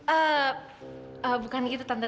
eh eh bukan gitu tante